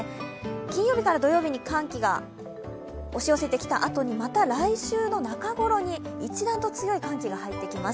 金曜日から土曜日に寒気が押し寄せてきたあとにまた来週の中ごろに一段と強い寒気が入ってきます。